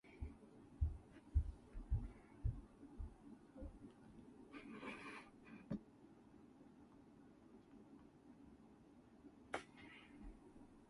Democratic Party rules distinguish pledged and unpledged delegates.